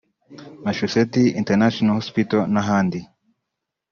Massachusetts International Hospital n’ahandi